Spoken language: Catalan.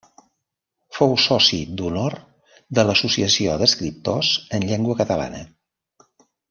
Fou soci d'honor de l'Associació d'Escriptors en Llengua Catalana.